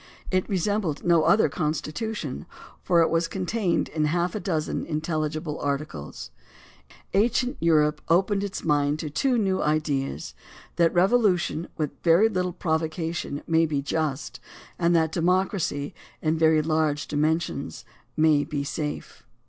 It resembled no other constitution, for it was contained in half a dozen intelligible articles. Ancient Europe opened its mind to two new ideas — that revolution AND THE RECALL OF JUDGES 95 with very little provocation may be just and that democracy in very large dimensions may be safe.